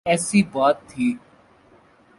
ایسی بات تھی۔